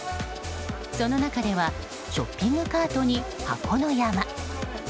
その中ではショッピングカートに箱の山。